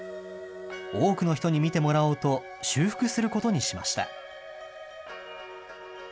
多くの人に見てもらおうと、修復することにしました。